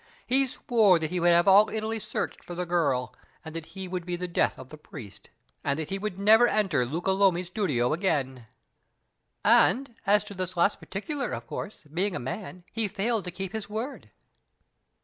He swore that he would have all Italy searched for the girl, that he would be the death of the priest, and that he would never enter Luca Lomi's studio again " "And, as to this last particular, of course, being a man, he failed to keep his word?"